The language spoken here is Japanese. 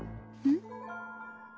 ん！？